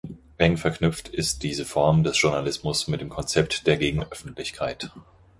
Eng verknüpft ist diese Form des Journalismus mit dem Konzept der Gegenöffentlichkeit.